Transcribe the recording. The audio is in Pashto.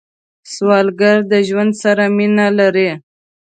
سوالګر د ژوند سره مینه لري